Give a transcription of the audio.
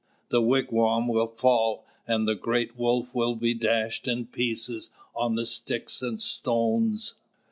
The wigwam will fall, and the Great Wolf will be dashed in pieces on the sticks and stones."